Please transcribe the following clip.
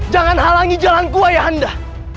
jangan halangi jalanku ayah anda